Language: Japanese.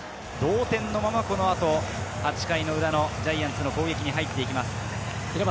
同点のまま８回裏、ジャイアンツの攻撃に入っていきます。